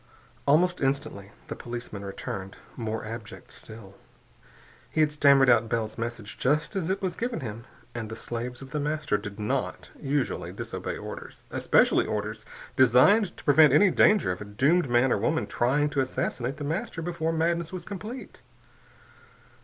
Almost instantly the policeman returned, more abject still. He had stammered out Bell's message, just as it was given him. And the slaves of The Master did not usually disobey orders, especially orders designed to prevent any danger of a doomed man or woman trying to assassinate The Master before madness was complete.